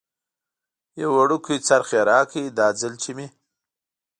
یو وړوکی څرخ یې راکړ، دا ځل چې مې.